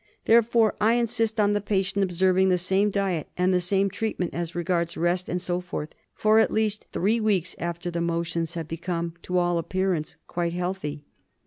Therefore I insist on the patient observing the same diet, and the same treatment as regards rest and so forth, for at least three weeks after the motions have become to all appearance quite healthy.